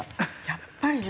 やっぱりね